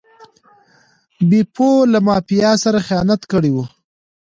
بیپو له مافیا سره خیانت کړی و.